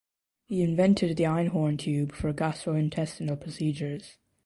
He invented the Einhorn tube for gastrointestinal procedures.